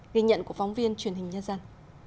ghi nhận của phóng viên truyền hình nhân dân